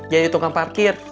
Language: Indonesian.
jadi tukang parkir